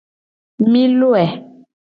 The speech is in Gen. Mi loe.